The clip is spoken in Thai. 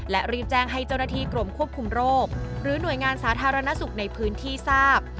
และรีบแจ้งให้เจ้าหน้าที่กรมควบคุมโรคหรือหน่วยงานสาธารณสุขในพื้นที่ทราบ